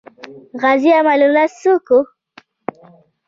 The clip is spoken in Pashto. غازي امان الله څوک وو؟